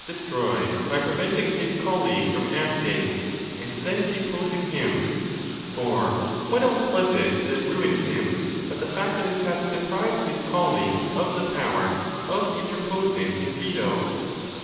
destroyed by pre venting his colleague from acting, and then deposing him ; for what else was it that ruined him but the fact of his having deprived' his colleague of the power of interposing his veto